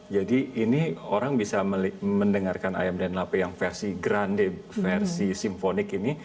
jadi ini orang bisa mendengarkan ayam den lape yang versi grande versi simfonik ini